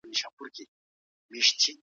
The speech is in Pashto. اوس دا یو منظم او خپلواک علم دی.